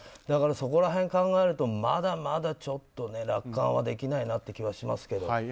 だからそこら辺を考えるとまだまだ楽観はできないなという気はしますけど。